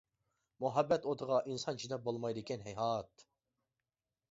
مۇھەببەت ئوتىغا ئىنسان چىداپ بولمايدىكەن ھەيھات.